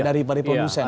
dari produsen gitu ya